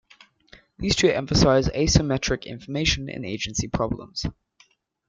These two emphasize asymmetric information and agency problems.